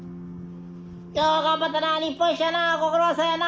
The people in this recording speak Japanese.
よう頑張ったな日本一やなご苦労さんやな。